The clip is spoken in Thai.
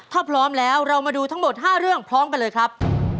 ถ้าพร้อมแล้วเรามาดูทั้งหมด๕เรื่องพร้อมกันเลยครับ